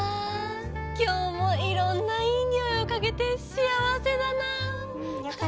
今日もいろんないい匂いをかげて幸せだなあ。